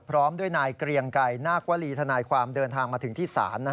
พร้อมด้วยนายเกรียงไกรนาควรีทนายความเดินทางมาถึงที่ศาล